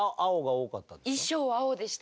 衣装は青でした